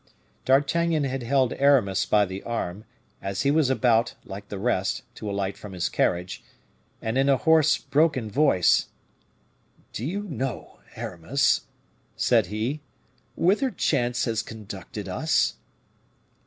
D'Artagnan held back Aramis by the arm, as he was about, like the rest, to alight from his carriage, and in a hoarse, broken voice, "Do you know, Aramis," said he, "whither chance has conducted us?"